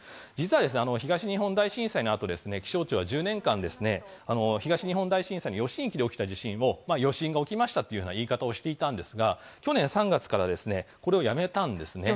実は東日本大震災の後、気象庁は１０年間、東日本大震災の余震域で起きた地震を余震が起きましたという言い方をしていたんですが、去年３月からこれをやめたんです。